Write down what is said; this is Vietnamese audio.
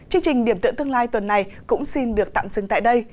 chương trình điểm tượng tương lai tuần này cũng xin được tạm dừng tại đây